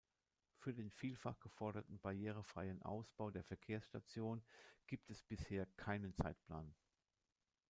Für den vielfach geforderten barrierefreien Ausbau der Verkehrsstation gibt es bisher keinen Zeitplan.